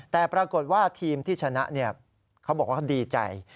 แต่ปรากฏว่าทีมที่ชนะเขาบอกว่าเขาดีใจ